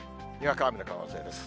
にわか雨の可能性です。